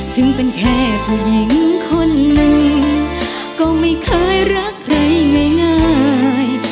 ถึงเป็นแค่ผู้หญิงคนหนึ่งก็ไม่เคยรักใครง่าย